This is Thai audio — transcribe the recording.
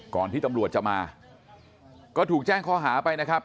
ก่อนที่ตำรวจจะมาก็ถูกแจ้งข้อหาไปนะครับ